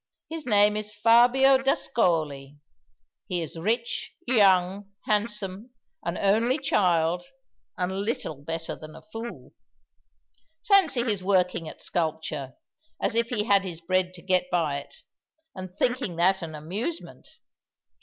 His name is Fabio d'Ascoli. He is rich, young, handsome, an only child, and little better than a fool. Fancy his working at sculpture, as if he had his bread to get by it and thinking that an amusement!